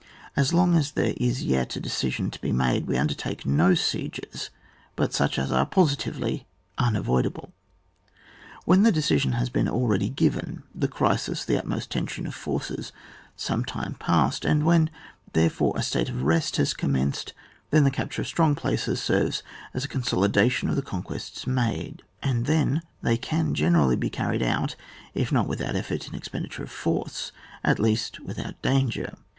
As long as there is yet a decision to be made, we undertake no sieges but such as are positively imavoid able. When the decision has been al ready given — the crisis, the utmost tension of forces, some time passed — and when, therefore, a state of rest has commenced, then the capture of strong places serves as a consolidation of the conquests made, and then they can generaUy be carried out, if not without effort and expenditure of force, at least without danger.